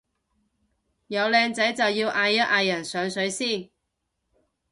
有靚仔就要嗌一嗌人上水先